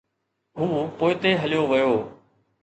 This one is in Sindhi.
هو پوئتي هليو ويو.